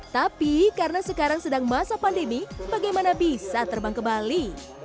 tapi karena sekarang sedang masa pandemi bagaimana bisa terbang ke bali